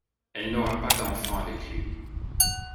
Elle n'aura pas d'enfants avec lui.